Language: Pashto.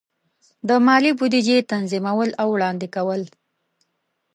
د مالی بودیجې تنظیمول او وړاندې کول.